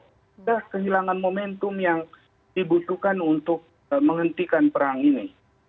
sudah kehilangan momentum yang dibutuhkan untuk menghentikan perang ini